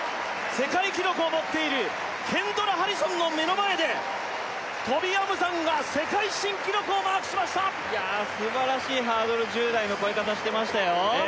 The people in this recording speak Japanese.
世界記録を持っているケンドラ・ハリソンの目の前でトビ・アムサンが世界新記録をマークしましたいや素晴らしいハードル１０台の越え方してましたよ